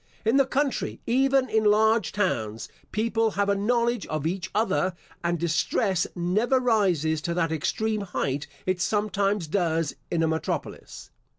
In the country, even in large towns, people have a knowledge of each other, and distress never rises to that extreme height it sometimes does in a metropolis.